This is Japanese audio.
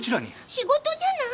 仕事じゃない？